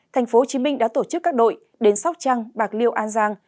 tp hcm đã tổ chức các đội đến sóc trăng bạc liêu an giang